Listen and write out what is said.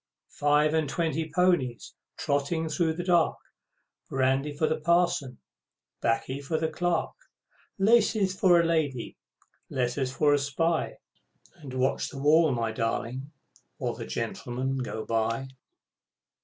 Five and twenty ponies, Trotting through the dark, Brandy for the Parson, 'Baccy for the Clerk; Laces for a lady, letters for a spy, And watch the wall, my darling, while the Gentlemen go by!